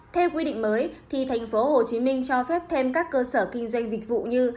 theo quy định mới tp hcm cho phép thêm các cơ sở kinh doanh dịch vụ như